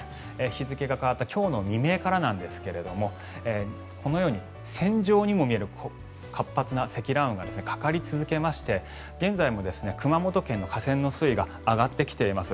日付が変わった今日の未明からなんですがこのように線状にも見える活発な積乱雲がかかり続けまして現在も熊本県の河川の水位が上がってきています。